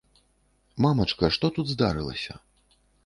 Мамачка, што тут здарылася?